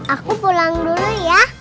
aku pulang dulu ya